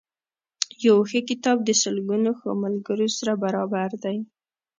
یو ښه کتاب د سلګونو ښو ملګرو سره برابر دی.